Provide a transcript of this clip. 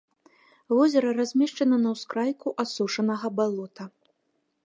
Возера размешчана на ўскрайку асушанага балота.